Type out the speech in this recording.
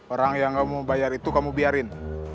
orang yang nggak mau bayar itu kamu biarin